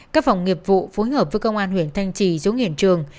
các phòng nghiệp vụ phối hợp với công an huyện thanh trì xuống hiện trường